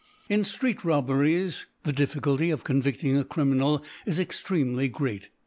In Street Robberies the Difficulty of con vifting a Criminal is extremely great.